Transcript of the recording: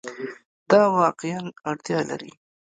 دا واقعیا اړتیا لري